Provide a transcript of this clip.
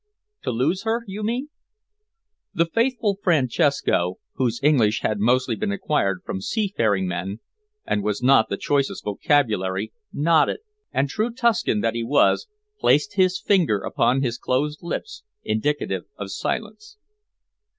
"To lose her, you mean?" The faithful Francesco, whose English had mostly been acquired from sea faring men, and was not the choicest vocabulary, nodded, and, true Tuscan that he was, placed his finger upon his closed lips, indicative of silence.